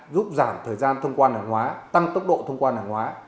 giúp giảm thời gian thông quan hàng hóa tăng tốc độ thông quan hàng hóa